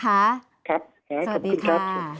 ครับขอบคุณครับสวัสดีค่ะ